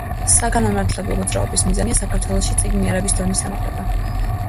საგანმანათლებლო მოძრაობის მიზანია საქართველოში წიგნიერების დონის ამაღლება.